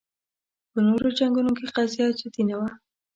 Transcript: په نورو جنګونو کې قضیه جدي نه وه